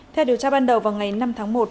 theo điều tra ban đầu vào ngày năm tháng một